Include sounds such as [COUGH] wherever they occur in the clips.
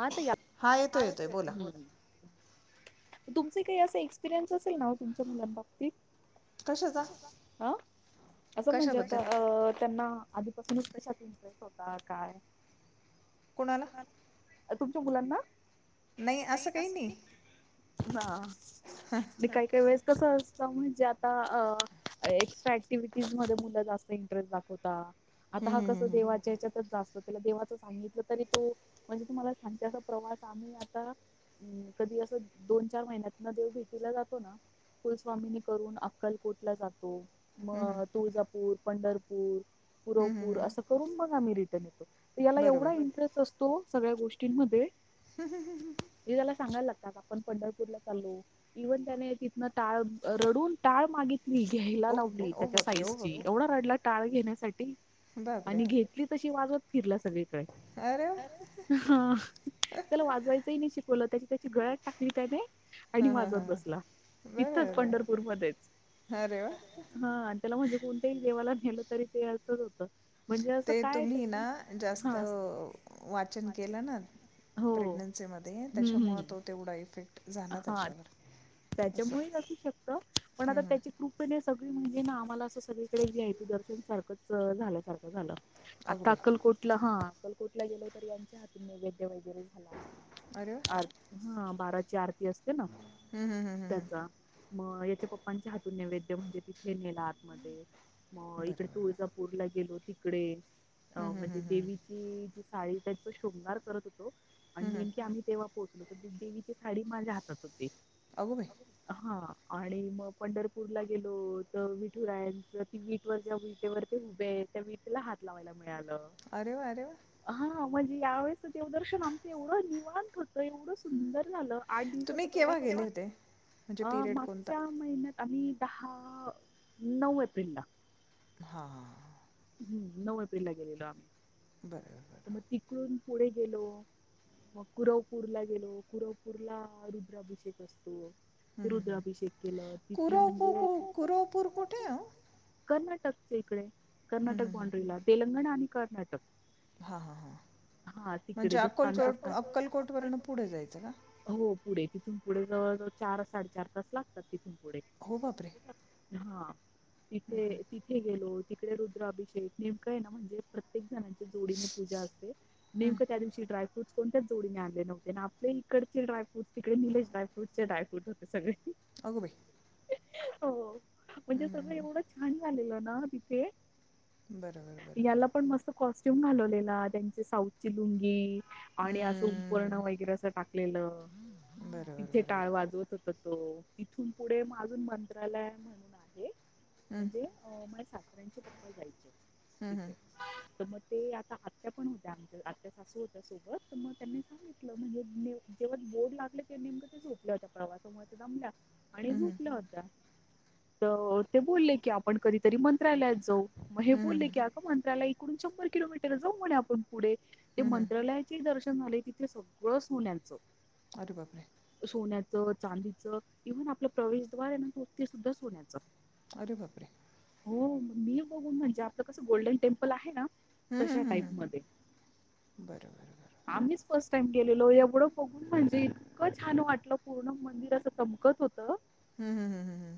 हां ताई हा हां, येतोय येतोय बोला एतोय बोल, तुमचे काही अस एक्सपिरियन्स असेल ना तुमच्या कशाचा मुलांबाबतीत असं म्हणजे कशाबद्दल अ त्यांना त तुम्हाला कशात इंटरेस्ट होता काय? कोणाला तुमच्या मुलांना नाही असं काही नाही काही काही वेळेस कस असतं म्हणजे आता अ एक्स्ट्रा ऍक्टिव्हिटीज मध्ये मुला जास्त इंटरस्ट दाखवता आता हम्म, हा कस हम्म, हम्म, देवाच्या ह्याच्यातच जास्त त्याला देवाच सांगितलं तरी तो म्हणजे तुम्हाला आणि त्याचा प्रवास आम्ही आता अ कधी असं दोन चार महिन्यात ना देव भेटीला जातो ना कुलस्वामीनी करून अक्कल कोट ला जातो हम्म, हम्म, मग तुळजापूर पंढरपूर हम्म, हम्म, पुरपूर हम्म. असं करून मग आम्ही रि याला बरोबर एवढा इंटरेस्ट असतो सगळ्या गोष्टींमध्ये हम् हम ह् ह हे त्याला सांगायला आपण पंढरपूरला चालो इव्हन त्याने तिथनं टाळ रडून टाळ मागित घ्यायला ओ बापरे लावली ओ त्याच्या बापरे साईज ओ ची बापरे एवढा रडला टाळ घेण्यासाठी बापरे आणि घेतली तशी वाजवत फिरला अरे हा त्याला वाजवायचंही नाही शिकवलं त्याची त्याची गळ्यात टाकली त्याने आणि हां हां वाजवत हां बसला बरं तथंच पंढरपूर बरं मध्येच अरे हा आणि त्याला म्हणजे कोणत्याही देवाला नेलं तरी ते अस होत ते तुम्ही ना जास्त हा वाचन केला ना हो प्रेग्नन्सीमध्ये हम्म त्याच्यामुळं हम्म तो तेवढा इफेक्ट झाला हा त्याच्यावर असं त्याच्यामुळे असू शकत पण आता हम्म, हम्म. त्याची कृपने सगळी म्हणजे ना आम्हाला असं सगळीकडे जी विहाय पी दर्शन सारखंच झाल्यासारखं झालं आता अगोबाई अकलकोटला हा अक्कलकोटला गेलो तर यांच्या हातून वग वगैरे झाला अरे वा हा बाराची आरती असते ना हम् हम हम ह त्याचा मग याच्या पप्पांच्या हातून नैवेद्य म्हणजे तिथे नेला आतमध्येध्ये मग इकडे बरं बरं बरं तुळजापूरला गेलो तिकडे अ हम्म, हम्म, म्हणजे हम्म, हम्म. देवीची जी साडी त्याच शृंगार करत हो आणि हम्म, हम्म. नेमकीे आम्ही तेव्हा पोहोचलो तर देवीची साडी माझ्या हातात हो अगोबाई हा आणि मग पंढरपूरला गेलो तर विठुरायाच ती विटवर ज विटेवर ते हुबे विटीला हात लावायला मिळाला अरे वा अरे वा यावेळेसच देवदर्शन आमचं एवढं निवांत होतं एवढं सुंदर झा आठ दिवसाचा तुम्ही प्रवास गेले केव्हा होते म्हणजे अ पिरियड कोणता मागच्या महिन्यात आम् दहा नऊ एप्रिलला हा ह हम् नऊ एप्रिल ला गेलेलो आम्ही बरोबर तर मग बरबर तिकडून पुढे गेलो मग कुरवपूरला गेलो कुरवपूरला रुद्राभिषेक असतो हं, हं, हं. रुद्राभिषेक केलं तिथे कुरवपू म्हणजे कु कुरवपूर कुठे आहे हो कर्नाटकच इकडे हं, कर्नाटक हं, बाॉंड्रीला तेलंगणा आणि कर्नाटक हा हा हा हा तिकडे म्हणजे दत्तांचं अक्कलकोट स्थान अक्कलकोट वर्ण पुढे जायचं का हो पुढे तिथून पुढे जवळजवळ चार साडेचार तास लागतातथ हो बापरे हा तिथे तिथे गेलो तिकडे रुद्राभिषेक नेमकंय ना म्हणजे प्रत्येक जण जोडीने पूजा असते हं, नेमक त्या दिवशी ड्रायफ्रूट कोणतच जोडीने आले नव्हते आणि आपल्या इकडे ड्रायफुटकडे निलेश ड्रायफ्रूटच्या ड्रायफ्रूट होते सगळे अगो बाई हो म्हणजे हं, हं, सगळं हं. एवढं छान झालेलं ना तिथे बरोबर बरोबर याला पण मस्त कॉस्ट्युम घालवलेला त्यांचे साऊथची लुंगी आणि असं उपरण हं, वगैरे असं टाकलेलं बरोबर तिथे बरोबर टाळ वाजवत होत त तिथून पुढे मा अजून मंत्रालय म्हणून आहे हं, म्हणजे अ मला्या सातऱ्यांचे पप्पा जायचे हं, हं. तिथे तर मग ते आता आत्या पण होत्या आमच्या आत्या सासू होत्या सोबत तर मग त्यांनी सांगितलं म्हणजे जेव्हा बोर्ड लागले तेव्हा नेमकं ते झोपलं होत्या प्रवासामुळे दमल्या आणि हं, हं. झोपल्या होत्या तर ते बोलले की आपण कधीतरी मंत्रालयात जाऊ मग हे हं, हं, बोलले हं. की अं मंत्र्याला इकडून शंभर किलोमीटर जाऊ म्हणे आपण. पुढे ते हं, हं. मंत्रायाचे दर्शन झाले तिथे सगळंच मुलांचं. अरे बापरे! चांदीच इव्हन आपलं प्रवेशद्वार आहे न ते सुद्धा सोन्याचं. अरे बापरे! हो मी बघून म्हणजे आपलं कसं गोल्डन टेम्पल आहे ना. हं, हं, तशा हं, टाईप हं. मधे बरं बरं बरं आम्हीच. फस्ट टाइम गेलेलो एवढं बघून म्हणजे इतकं छान वाटलं पूर्ण मंदिर असं चमकत होत. हम्म हम्म हम्म हम्म.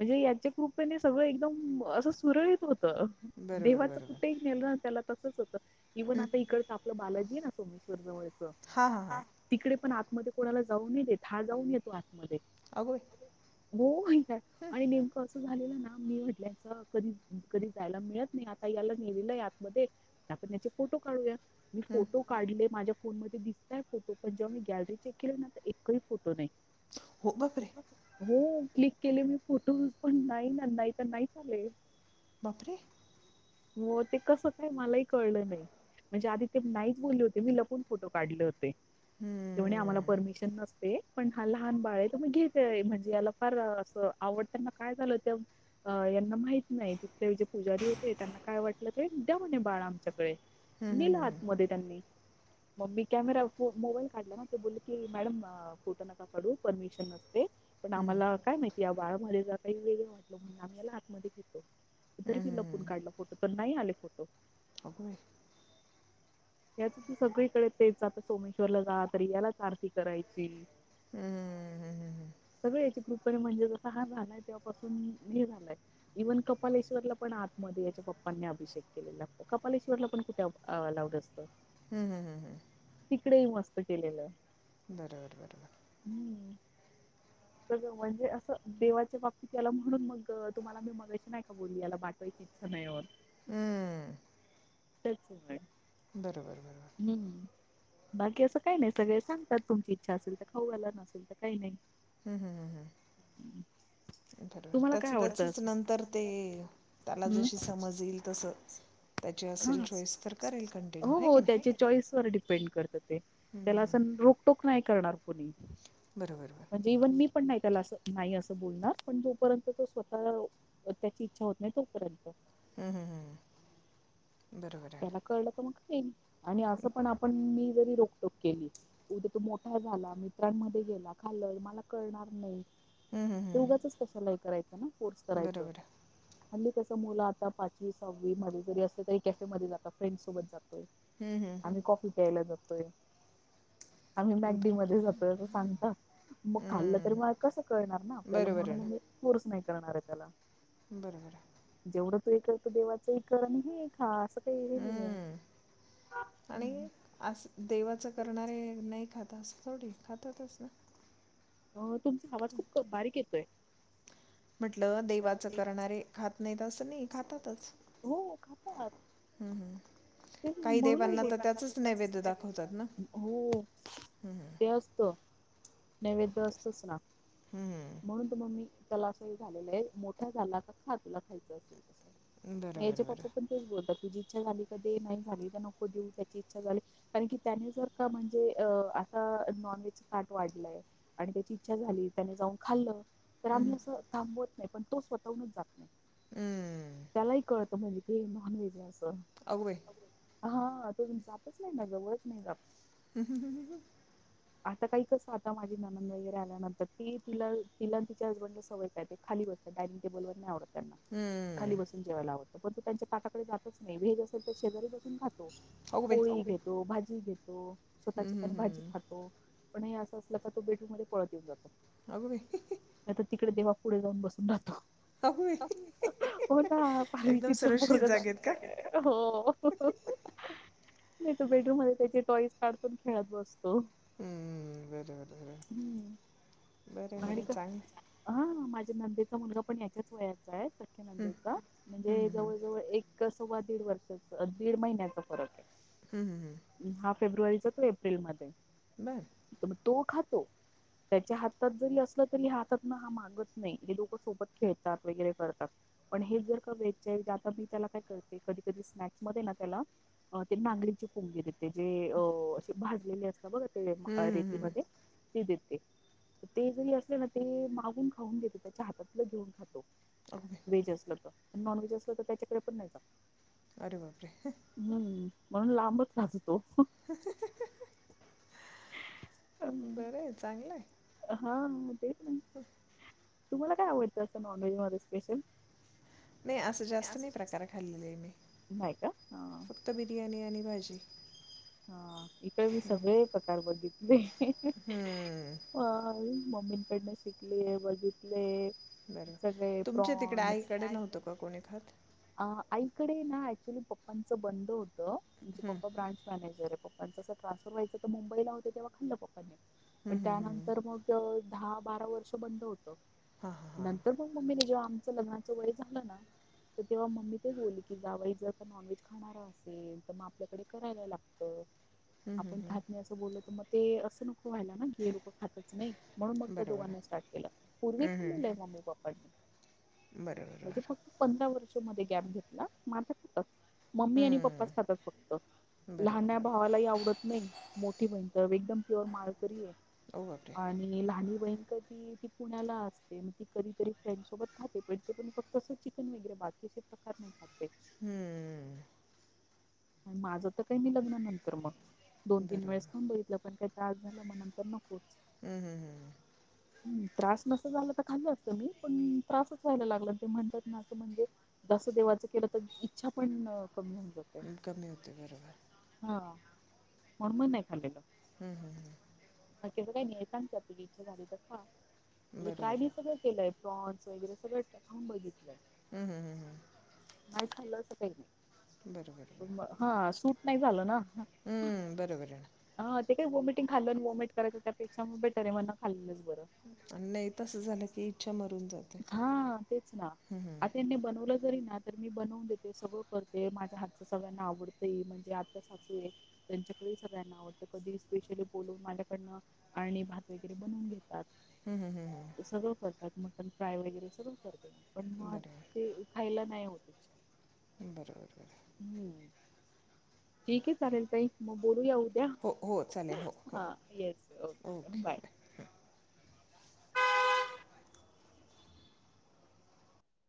म्हणजे याच्या कृपेने सगळं एकदम असं सुरळीत होत. त बरोबर देवाच बरोबर कुठेही नेलं त्याला तसच होतं इव्हन आता इकड आपलं बालाजी. सोमेश्वर जवळ हां हां हां तिकडे पण आतमध्ये कोणाला जाऊन नाही देत हा जाऊन येतो. आतमध्ये अहो. हो माहित आहे आणि नेमकं असं झालेलं ना मी म्हटल कधी कधी जायला मिळत नाही आता याला नेलेलं आहे आत मधे आपण त्याचे फोटो काढूया मी हं. फोटो काढले माझ्या फोन मध्ये दिस काय फोटो पण जेव्हा मी गॅलरी चेक केलीना तर एकही फोटो नाही हो बापरे! हो क्लिक केले मी फोटोज पण नाही नाही तर नाही चाले. बापरे! मग ते कसं काय मलाही कळलं नाही. म्हणजे आधी ते नाही बोलले होते मी लपून फोटो काढले होते. ते, ते म्हणे आम्हाला हं. परमिशन नसते. पण हा लहान बाळ आहे तो मग घेत म्हणजे याला फार अस आवडताना काय झालं ते. माहित नाही तिथले जे पुजारी होते त्यांना काय वाटलं ते द्या म्हणे बाळ आमच्याकडे. हं, नेल हं, हं, हं. आतमधे त्यांनी मग मी कॅमेरा. मोबाईल काढला ना ते बोलले की मॅडम फोटं नका काढू परमिशन नसते. पण हं, हं. आम्हाला काय माहितीय या बाळामध्ये जर काही वेगळं वाटलं म्हणून आम्ही याला आतमध्ये घेतो. तरी हं, मी लपून काढला फोटो तर नाही आले फोटो. अग बाई. याच त सगळीकडे ते जात. सोमेश्वर जा तरी यालाच आरती करायची. हं, हं, हं, हं. सगळे याचे गप. म्हणजे जस हा झालाय तेव्हापासून हे झालाय इव्हन कपालेश्वरला पण आतमध्ये याचे पप्पा. नी अभिषेक केलेला कपालेश्वरला पण कुठे लावत असत. हम् हम हम् हम्. तिकडेही मस्त केलेलं. बरोबर बरोबर. [INAUDIBLE] तर म्हणजे असं देवाच्या बाबतीत याला म्हणून मग तुम्हाला मी मगायची नाही का बोलली याला वाटवायची. [UNINTELLIGIBLE] हम्म. त्याचमुळे. बरोबर बरोबर. हम्म बाकी असं काही नाही सगळे सांगतात तुमची इच्छा असेल तर खाऊयला नसेल तर काही नाही. हम्म हम्म हम्म हम. [INAUDIBLE] तुम्हाला काय आवडतं. नंतर ते त्याला जशी समज येईल तसं त्याची असेल चॉईस तर करेल कंटिन्यू आहे हो की नाही त्याच्या चॉईस वर डिपेंड करत ते. हं, हं, त्याला हं. असं रोकटोक नाही करणार कोणी बरोबर बरोबर म्हणजे इव्हन मी. पण नाही त्याला असं नाही असं बोलणार पण जोपर्यंत तो स्वतः त्याची इच्छा होत नाही तोपर्यंत. हम्म हम्म हम्म. त्याला कळलं तर मगल आणि असं पण आपण मी. री रोकटोक केली उद्या तू मोठा झाला मित्रांमध्ये गेला खाल मला कळणार नाही. ना हं, हं, हं. दोघाच कशालय करायचं ना कोर्स करायचं. बरोबर म्हली तस मुलं आता पाचवी सहावी मध्ये जरी असलं तरी कॅफे मध्ये जाता फ्रेंड सोबत जात. हम्म, हम्म. आणि कॉफी प्यायला जातोय. आम्ही ब- मॅगडी मध्ये जातोय असं सांगता. मग खाल्लं तरी हम्म. मला कसं कळणार ना आपल्याला बरोबर म्हणून कोर्स नाही करणार आहे त्याला. बरोबरं. जेवढं करतो देवाचं कर आणि हे हा अस. हम्म आणि हम्म अस देवाचं करणारे नाही खात. तास थोडी खााता तस ना. अ तुमचा आवाज खूप बारीक येतोय. म्हटलं देवाचं करणारे खात नाहीत असं नाही खातातच. हो खातात हम्म हम्म. ते काही देवांना म्हणून तर त्याचंच त्याचच नैवेद्य न वद दाखवतात ना दाखच हो. ते असतो. नैवेद तेच. असतोच ना हम्म. म्हणून त मग मी. त्याला असं हे झालेलं आहे मोठा झाला का खा तुला खायच असेल. मग बरोबर याच्या बरोबर पप्पा पण तेच बोलतात तुझी इच्छा झाली. को देऊ त्या इच्छा झाली कारण क त्या जर का म्हणजे आ. का वाढय आणि त्याची इच्छा झाली त्याने जाऊन खाल्लं. तर आम्ही असं थांबवत नाही पण तो स्वतःहूनच जात नाही हम्म. त्यालाही कळत. म्हणजे की नॉन व्हेज असं. अगवे. हा तो जापच नाही ना जवळच नाहीप. [UNINTELLIGIBLE] आता काही कसं आता माझी ननंद वगैरे आल्यानंतर ती तिला तिला तिच्या हसबंडला सवय काेत खाली. डायनिंग टेबलवर नाहीवड. त्यांना खाली हम्म. बसून जेवायला आवडतं पण तू त्यांच्या तटाकडे जातच नाही भी हेज असेल शेजारी बस. खो अगो बाई पोळी घेतो भाजी घेतो स्वतःची हम्म, हम्म, भाजी हम्म. खातो. पण असला का तो बेटूमध्ये पळ येऊ जातो. अग म नाही तर तिकडे देवा पुढे जाऊन बसून राहतो. होय. हो ना पा एकदम चित्र सुरक्षित जागेत का? हो. मी तो बेडरूम मध्ये त्याचे टॉईस काढतून खेळत बसतो. हम्मम्म वर बरर. हम्म आणि का हा माझ. नंदेचा मुलगा पण या्याच्याच वेयाचा आहे सख्या हम्म नंदेचा म्हणजे हम्म जवळ जवळ एक. कसव्वा दीड वर्षाच दीड महिन्याचा फरक आहे. हम्म हम् हम्. हा फेब्रुवारीचा त एप्रिल म बरं तो खातो त्याच्या ह. ह जरी असलं तरी हातात हा मागत नाही हे लोक सोबत खेळतात वगैरे करतात पण हे ज. व मी त्याला काय करते,, कधी, कधी स्नॅक्स मधे ना त्याला ते नागरींची पोंगी देतेऽ. ते जे अ असे भाजलेले असत बगा ते हम्म हम्म हम्म रेतीमध्ये,, ते देते. ते जरी असले ना, ते मागून खाऊन देतो त्याच्या हातातलं घेऊन खातो. ओके. व्हेज असलं तर, नॉन व्हेज असलं तर त्याच्याकडे पण नाही जात. अरे बाप रे! हम्म म्हणून लांबच राहतो. तो बरं आहे, [INAUDIBLE] चांगलंय. हा. ना ह. तुम्हाला काय आवडतं असं नॉनव्हेज मध्ये स्पेशल? नाही असं जास्त नाही प्रकार खाल्लेले मी, नाही का हा फक्त बिर्याणी आणि. भाजी. हा, इकडे मी सगळे प्रकार बघितले. हम्म मम्मींकडनं शिकलीय, बघितलेय. बरं. सगळे तुमच्या तिकडे प्रॉन. आईकडे नव्हतं का कोणी खात? आईकडे ना, ऍक्च्युली पप्पांचं बंद होतं म्हणजे हम्म पप्पा ब्रांच. जे पप्पचं ट्रान्सपर र्हायच तर मुंबईला होते तेव्हा खल्लं पप्पनी. पण हम्म हम्म हम्म. त्यानंतर मग दहा बारा वर्ष बंद होत. हां हां हां. नंतर मग मम्मीने जेव्हा आमचं लग्नाचं वय झालं ना. तर तेव्हा मम्मी तेच बोलली, की जावई जर का नॉनव्हेज खाणारा असेल तर मग आपल्याकडे करायला लाग. हम्म हम्म आपण खात हम्म. नाही असं बोलल तर मग ते असं नक. व्हायला ना कि हे लोकं खातच नाही,, म्हणून मग त्या बरं बरं. दोघांनी स्टार्ट केलं,, पूर्वी हम्म खाल्लेलं आहे हम्म. मम्मी पप्पांनी. बरं बरं बरं. [UNINTELLIGIBLE] गॅप घेतला, म आता खातात, मम्मी आणि पप्पा हम्म खातात फक्त. बरं लहान बरं बरं. भावालाही आवडत नाही, मोठी बहीण तर एकदम प्युअर माळकरी आह. ओ बापरे आणि लहानी बहीण कधी. ती पुण्याला असते, मग ती कधीतरी फ्रेंड सोबत खाते, पण ते पण फक्त असं चिकन वगैरे, बाकी अस प्रकार. [UNINTELLIGIBLE] हम्म. माझं तर काही मी लग्ना नंतर मग, दोन, तीन वेळेस बरोबर खाऊन बघितलं पण काय? त्रास झाला मग नंतर नकोच. हम्म, हम्म, हम्म. त्रास नसता झाला तर खाल्लं असत मी, पण त्रासच व्हायला लागला, ते म्हणतात नां म्हणजे. देवाच केलं तर इच्छा पण कमी होऊन जात. कमी होते, बरोबर. म्हणन म नाही खालेलं. हम्म, हम्, हम्. बाकीचं काय नाही, सांग तुझी इच्छा झाली तर खा मजे, बरोबर ट्राय मी आहे सगळ केलंय. प्रॉन्स वगैरे सगळं खाऊन बघितलंय. हम्म, हम्म, हम् हम्. नाही खाल्लं असं काही नाही. बरोबर. हा, सूट नाही झाल ना. हम्म, बरोबर आहे ना. ते काही वॉमिटि खाल्लं, वॉमिट कयचं त्यापेक्ष म बेटर आहे म खाल. आणि नाही तसं झालं की इच्छा मरून जाते. हा हम्, हम्. तरी मी आता बनवून देते, सगळं करते माझ्या हात. सगळ्यांना आवडतं हि,, म्हणजे आता सासू आहे त्, यांच्याकडे हि सगळ्यांना आवडतं, कधी स्पेशली बोलून. कडनं, आणि भात वगैरे बनवून घेतात. हम्म, हम्म, हम्म, सगळं करतात, मटन फ्राय वगैरे सगळं करतात. पण हम्म. मग बरोबर ते खायला नाही होत. बरोबर बर. हम्म ठीक आहे चालेल तई मग बोलूयाऊ. हो हो चालेल हो हो हा येस ओके बाय.